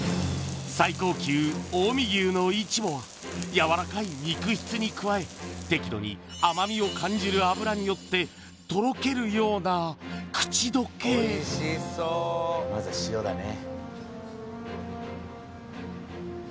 最高級近江牛のイチボはやわらかい肉質に加え適度に甘みを感じる脂によってまず塩だね